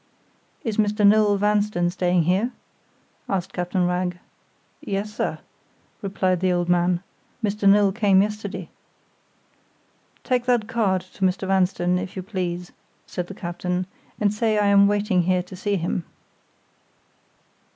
"Is Mr. Noel Vanstone staying here?" asked Captain Wragge. "Yes, sir," replied the old man. "Mr. Noel came yesterday." "Take that card to Mr. Vanstone, if you please," said the captain, "and say I am waiting here to see him."